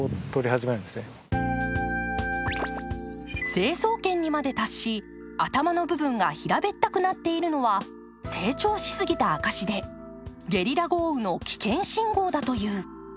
成層圏にまで達し、頭の部分が平べったくなっているのは成長しすぎた証しでゲリラ豪雨の危険信号だという。